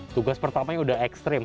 tugas pertamanya sudah ekstrim